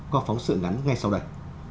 có phóng sự ngắn ngay sau đây